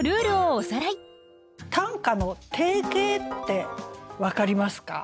短歌の定型って分かりますか？